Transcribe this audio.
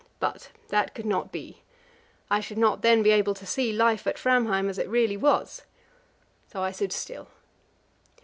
But that could not be; I should not then be able to see life at Framheim as it really was. So I stood still.